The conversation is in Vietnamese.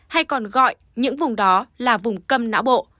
hay còn gọi những vùng đó là vùng cầm não bộ